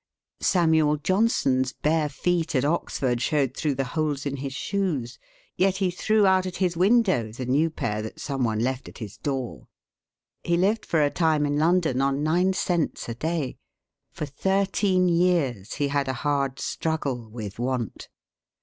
Samuel Johnson's bare feet at Oxford showed through the holes in his shoes, yet he threw out at his window the new pair that some one left at his door. He lived for a time in London on nine cents a day. For thirteen years he had a hard struggle with want.